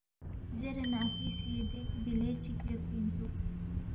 زیرے نہ اپی سی دیکھہ بِلے چِک یودپی اِنسُوک